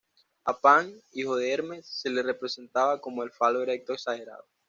A Pan, hijo de Hermes, se lo representaba con un falo erecto exagerado.